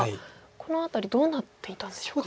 この辺りどうなっていたんでしょうか。